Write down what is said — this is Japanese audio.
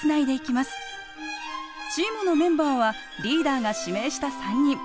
チームのメンバーはリーダーが指名した３人。